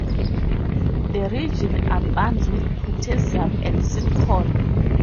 The region abounds with potassium and silicon.